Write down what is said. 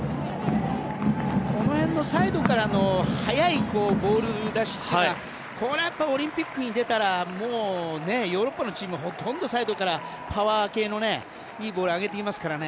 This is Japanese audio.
この辺のサイドからの速いボールというのがこれはオリンピックに出たらもうヨーロッパのチームはほとんどサイドからパワー系のいいボールを上げてきますからね。